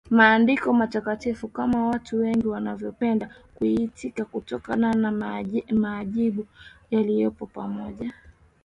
Maandiko Matakatifu kama watu wengi wanavyopenda kuliita kutokana na maajabu yaliyopo pamoja